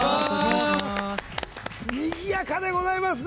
にぎやかでございますね